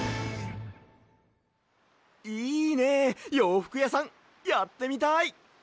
いいねようふくやさんやってみたい！